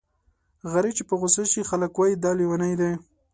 غريب چې په غوسه شي خلک وايي دا لېونی دی.